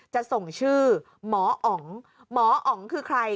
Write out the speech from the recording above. จะส่งชื่อหมออ๋องหมออ๋องคือใคร